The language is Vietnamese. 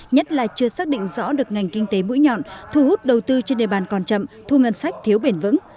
nhất là chưa xác định rõ được ngành kinh tế mũi nhọn thu hút đầu tư trên địa bàn còn chậm thu ngân sách thiếu bền vững